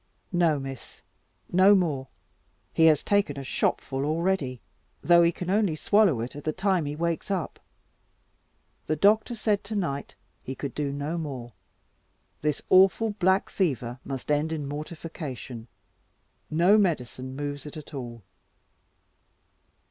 "No, Miss, no more; he has taken a shopful already, though he can only swallow at the time he wakes up. The doctor said to night he could do no more; this awful black fever must end in mortification; no medicine moves it at all."